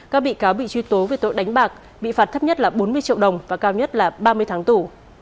các bị cáo bị truy tố về tội đánh bạc bị phạt thấp nhất là bốn mươi triệu đồng và cao nhất là ba mươi tháng tù